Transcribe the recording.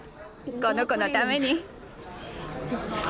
この子のために。